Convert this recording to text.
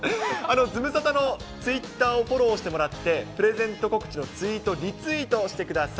ズムサタのツイッターをフォローしてもらって、プレゼント告知のツイートをリツイートしてください。